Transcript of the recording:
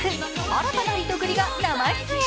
新たなリトグリが生出演。